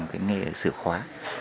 cái nghề sửa khóa